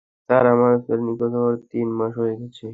Sir, আমার ছেলে নিখোঁজ হওয়ার তিন মাস হয়ে গেছে।